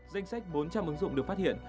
danh sách bốn trăm linh ứng dụng được phát hiện